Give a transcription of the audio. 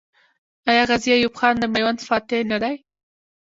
آیا غازي ایوب خان د میوند فاتح نه دی؟